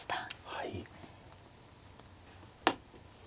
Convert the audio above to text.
はい。